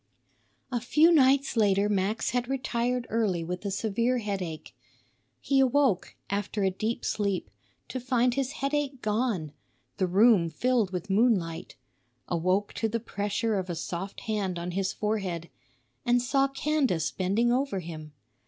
A few nights later Max had retired early with a severe headache. He awoke, after a deep sleep, to find his headache gone, the room filled with moonlight; awoke to the pressure of a soft hand on his forehead, and saw Candace bending over him.